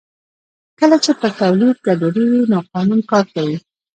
کله چې پر تولید ګډوډي وي نو قانون کار کوي